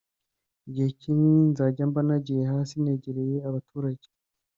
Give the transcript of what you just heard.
igihe kinini nzajya mba nagiye hasi negereye abaturage”